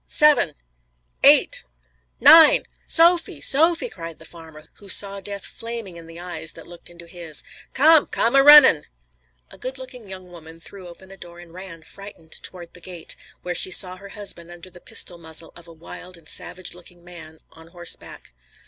seven! eight! nine! " "Sophy! Sophy!" cried the farmer, who saw death flaming in the eyes that looked into his, "Come! Come a runnin'!" A good looking young woman threw open a door and ran, frightened, toward the gate, where she saw her husband under the pistol muzzle of a wild and savage looking man on horseback.